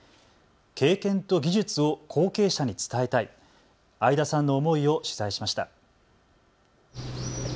経験と技術を後継者に伝えたい、相田さんの思いを取材しました。